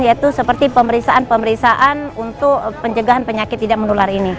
yaitu seperti pemeriksaan pemeriksaan untuk pencegahan penyakit tidak menular ini